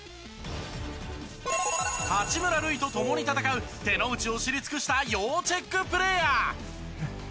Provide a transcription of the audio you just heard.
八村塁と共に戦う手の内を知り尽くした要チェックプレーヤー。